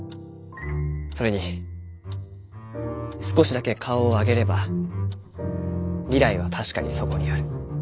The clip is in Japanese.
それに少しだけ顔を上げれば未来は確かにそこにある。